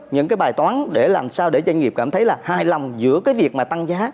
những cái bài toán để làm sao để doanh nghiệp cảm thấy là hài lòng giữa cái việc mà tăng giá